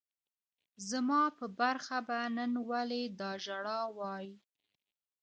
زما په برخه به نن ولي دا ژړاوای